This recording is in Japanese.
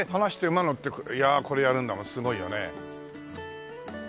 馬乗ってこれやるんだもんすごいよね。